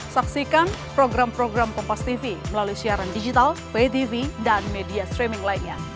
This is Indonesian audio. saksikan program program kompastv melalui siaran digital vtv dan media streaming lainnya